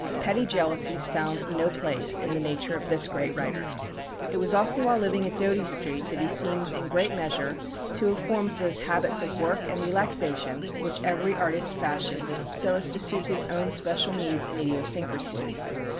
Petty jealousies found no place in the nature of this great writer. It was also while living at Doughty Street that he seems, in great measure, to have formed those habits of work and relaxation which every artist fashions so as to suit his own special needs and idiosyncrasies.